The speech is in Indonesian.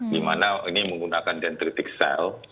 dimana ini menggunakan dentritic cell